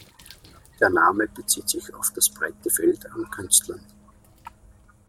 Der Name bezieht sich auf das breite Feld an Künstlern.